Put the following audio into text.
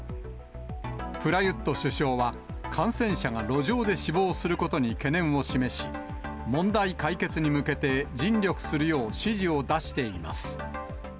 プラユット首相は、感染者が路上で死亡することに懸念を示し、問題解決に向けて尽力するよう指示を出しています。